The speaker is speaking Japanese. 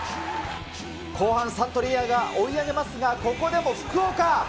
後半、サントリーが追い上げますが、ここでも福岡。